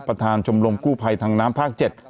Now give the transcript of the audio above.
ประธานชมรมกู้ภัยทางน้ำภาค๗